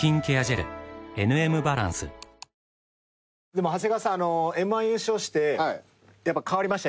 でも長谷川さんＭ−１優勝してやっぱ変わりました？